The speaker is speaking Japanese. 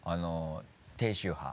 低周波。